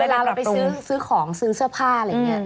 เวลาเราไปซื้อของซื้อเสื้อผ้าอะไรอย่างนี้